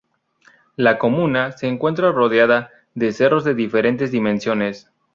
La comuna se encuentra rodeada de cerros de diferentes dimensiones.